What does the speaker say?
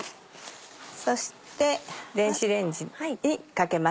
そして電子レンジにかけます。